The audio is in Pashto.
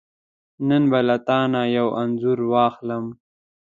نن به له تانه یو انځور واخلم .